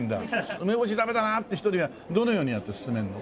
梅干しダメだなって人にはどのようにやって勧めるの？